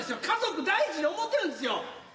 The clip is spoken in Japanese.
家族大事や思うてるんですよ。